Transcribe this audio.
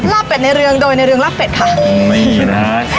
ลาเบ็ดในเรืองโดยในเรืองลาเบ็ดค่ะอืมไม่อีกนะฮะ